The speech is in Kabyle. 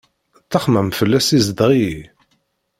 Ttaxmam fell-as izdeɣ-iyi.